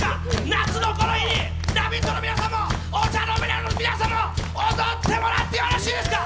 夏のこの日に「ラヴィット！」の皆さんも、お茶の間の皆さんも踊ってもらってよろしいですか。